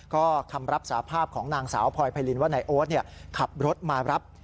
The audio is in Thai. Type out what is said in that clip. ก็คำรับสาภาพของนางสาวพลอยไพรินว่านายโอ๊ตขับรถมารับ